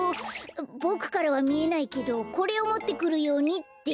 ボクからはみえないけどこれをもってくるようにって。